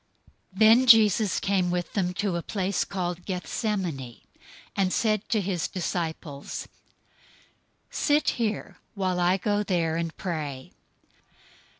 026:036 Then Jesus came with them to a place called Gethsemane, and said to his disciples, "Sit here, while I go there and pray."